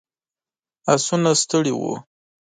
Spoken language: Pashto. آسونه ستړي ول.